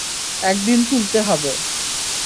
একদিন তুলতে হবে।